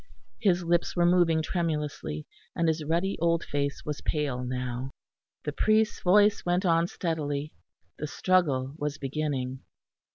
His lips were moving tremulously, and his ruddy old face was pale now. The priest's voice went on steadily; the struggle was beginning.